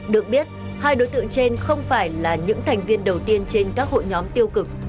được biết hai đối tượng trên không phải là những thành viên đầu tiên trên các hội nhóm tiêu cực